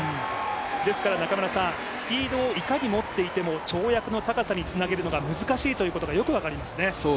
ですからスピードをいかに持っていても跳躍の高さにつなげるのが難しいというのがわかりますね。